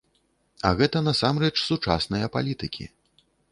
А гэта насамрэч сучасныя палітыкі.